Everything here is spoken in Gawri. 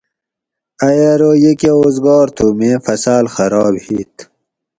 ائ ارو یہ کہ اوزگار تھو میں فصال خراب ھیت